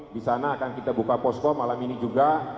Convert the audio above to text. di sana akan kita buka posko malam ini juga